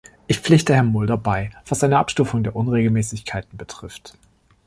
Ich pflichte Herrn Mulder bei, was eine Abstufung der Unregelmäßigkeiten betrifft.